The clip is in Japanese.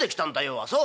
あっそう」。